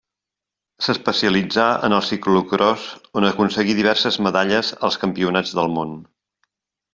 S'especialitzà en el ciclocròs on aconseguí diverses medalles als Campionats del món.